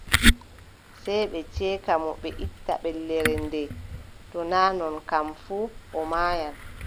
Sey ɓe ceeka mo ɓe itta ɓellere ndee, to naa non kam fuu, o maayan.